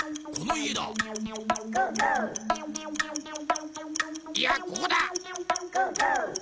いやここだ！